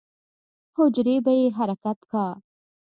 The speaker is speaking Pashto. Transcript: حجرې به يې حرکت کا.